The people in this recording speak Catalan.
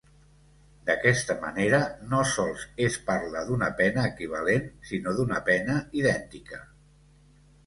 D'aquesta manera, no sols es parla d'una pena equivalent, sinó d'una pena idèntica.